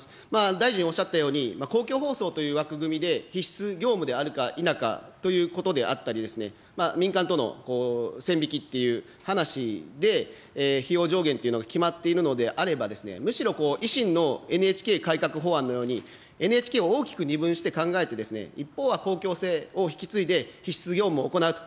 大臣おっしゃったように、公共放送という枠組みで、必須業務であるか否かということであったり、民間との線引きっていう話で、費用上限というのが決まっているのであれば、むしろ維新のＮＨＫ改革法案のように、ＮＨＫを大きく二分して考えて、一方は公共性を引き継いで必須業務を行うと。